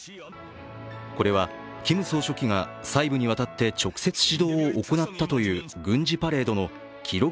これはキム総書記が細部にわたって直接指導を行ったという軍事パレードの記録